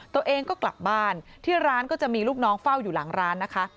ตัวเองก็กลับบ้านที่ร้านก็จะมีลูกน้องเฝ้าอยู่หลังร้านนะคะ